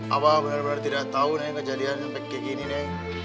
abah benar benar tidak tahu nih kejadian sampai kekini neng